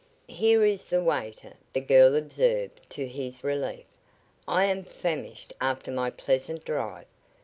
"Here is the waiter," the girl observed, to his relief. "I am famished after my pleasant drive.